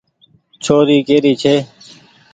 ڇوري ڪي ري ڇي۔